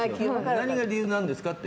何が理由なんですかって。